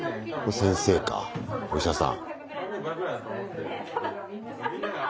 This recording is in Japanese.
先生かお医者さん。